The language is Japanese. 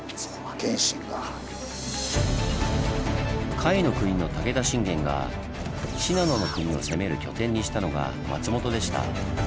甲斐国の武田信玄が信濃国を攻める拠点にしたのが松本でした。